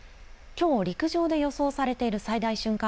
きょう陸上で予想されている最大瞬間